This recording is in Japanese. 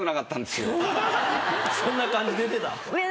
・そんな感じ出てた。